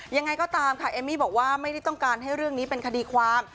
ยังไงก็ตามค่ะเอมมี่บอกว่าไม่ได้ต้องการให้เรื่องนี้เป็นคดีความ